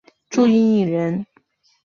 朱云影人。